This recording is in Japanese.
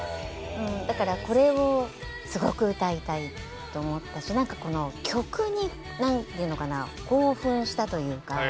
だからこれをすごく歌いたいと思ったし何かこの曲に興奮したというか。